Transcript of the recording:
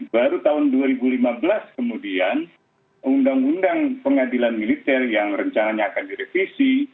baru tahun dua ribu lima belas kemudian undang undang pengadilan militer yang rencananya akan direvisi